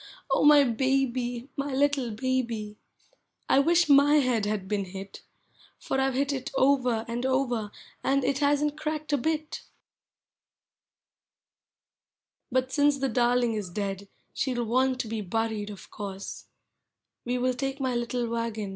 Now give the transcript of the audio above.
Oh, my baby! my little baby! I wish my head had been hit ! For I 've hit it over and over, and it hasn't cracked a bit. 0 Digitized by Google i:to POEMS OF HOME. Rut since the darling is dead, she Ml want to be buried, of course : We will take my little wagon.